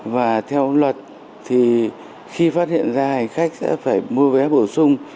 và theo luật thì khi phát hiện ra hành khách sẽ phải mua vé bổ sung